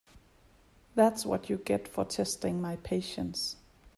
That’s what you get for testing my patience.